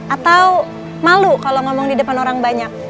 atau malu kalau ngomong di depan orang banyak